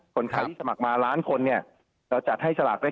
คนไทยที่สมัครมาล้านคนเนี่ยเราจัดให้สลากได้